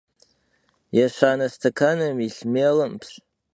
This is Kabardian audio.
Yêşane stekanım yilh mêlım psır yiğeutxhuaş.